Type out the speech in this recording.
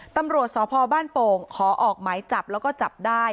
ตำรวจสพบ้านโป่งขอออกหมายจับแล้วก็จับได้